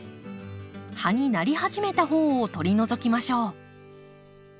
葉になり始めた方を取り除きましょう。